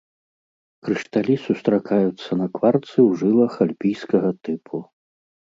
Крышталі сустракаюцца на кварцы ў жылах альпійскага тыпу.